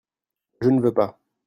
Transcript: Je ne veux pas.